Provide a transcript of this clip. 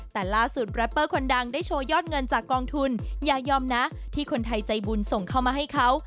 แต่ล่าสุดแรปเปอร์คนดังได้โชว์ยอดเงินจากกองทุนอย่ายอมนะที่คนไทยใจบุญส่งเข้ามาให้เขา